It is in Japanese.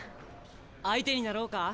相手になろうか？